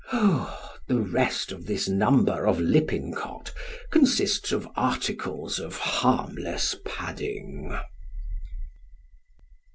The rest of this number of Lippincott consists of articles of harmless padding.